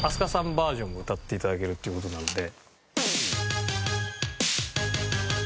バージョンも歌って頂けるっていう事なので。